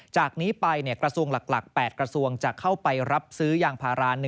จากนี้ไปกระทรวงหลัก๘กระทรวงจะเข้าไปรับซื้อยางพารา๑